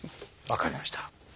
分かりました。